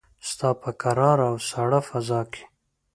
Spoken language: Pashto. ستا په کراره او ساړه فضاکې